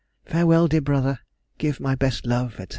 Farewell, dear brother; give my best love, &c.